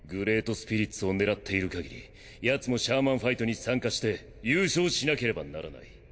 スピリッツを狙っているかぎりヤツもシャーマンファイトに参加して優勝しなければならない。